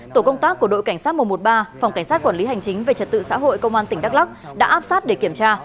tổ công tác của đội cảnh sát một trăm một mươi ba phòng cảnh sát quản lý hành chính về trật tự xã hội công an tỉnh đắk lắc đã áp sát để kiểm tra